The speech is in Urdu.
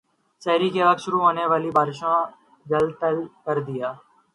سحری کے وقت شروع ہونے والی بارشوں جل تھل کر دیا